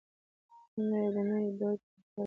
دنده یې د نوي دوج ټاکل و.